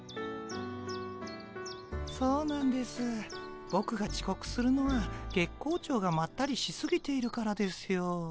そうなんですボクがちこくするのは月光町がまったりしすぎているからですよ。